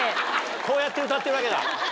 こうやって歌ってるわけだ。